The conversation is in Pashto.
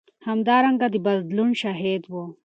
همدارنګه د بدلون شاهد و.